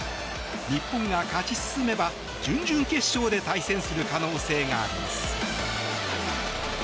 日本が勝ち進めば、準々決勝で対戦する可能性があります。